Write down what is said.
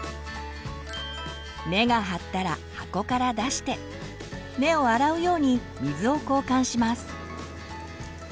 根が張ったら箱から出して根を洗うように水を交換します。